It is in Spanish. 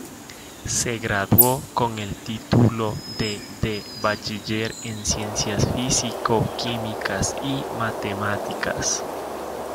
Se graduó con el título de de Bachiller en Ciencias Físico Químicas y Matemáticas.